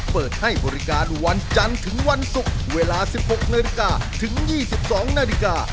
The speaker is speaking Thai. เปิดให้บริการวันจันทร์ถึงวันศุกร์เวลา๑๖นาฬิกาถึง๒๒นาฬิกา